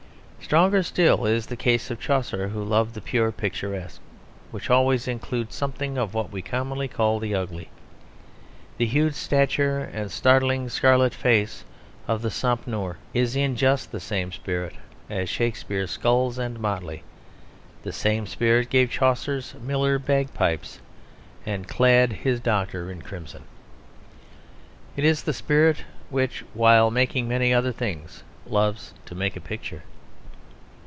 Stronger still is the case of Chaucer who loved the pure picturesque, which always includes something of what we commonly call the ugly. The huge stature and startling scarlet face of the Sompnour is in just the same spirit as Shakespeare's skulls and motley; the same spirit gave Chaucer's miller bagpipes, and clad his doctor in crimson. It is the spirit which, while making many other things, loves to make a picture.